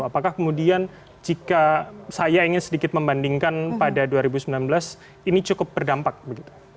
apakah kemudian jika saya ingin sedikit membandingkan pada dua ribu sembilan belas ini cukup berdampak begitu